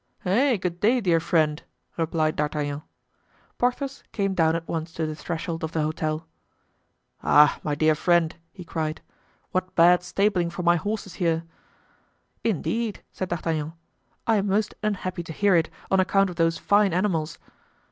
"Eh! good day, dear friend!" replied D'Artagnan. Porthos came down at once to the threshold of the hotel. "Ah, my dear friend!" he cried, "what bad stabling for my horses here." "Indeed!" said D'Artagnan; "I am most unhappy to hear it, on account of those fine animals."